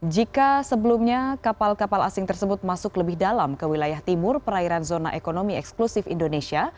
jika sebelumnya kapal kapal asing tersebut masuk lebih dalam ke wilayah timur perairan zona ekonomi eksklusif indonesia